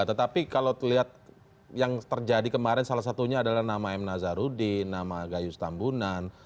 tetapi kalau terlihat yang terjadi kemarin salah satunya adalah nama m nazarudin nama gayus tambunan